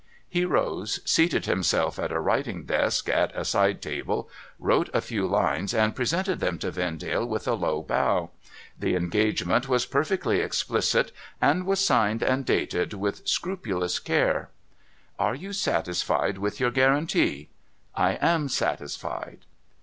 He rose ; seated himself at a writing desk at a side table, wrote 538 NO THOROUGHFARE a few lines, and presented them to Vendale with a low bow. The engagement was perfectly explicit, and was signed and dated with scrupulous care. ' Are you satisfied with your guarantee ?'' I am satisfied.'